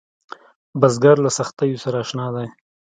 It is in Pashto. بزګر له سختیو سره اشنا دی